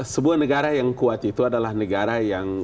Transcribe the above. sebuah negara yang kuat itu adalah negara yang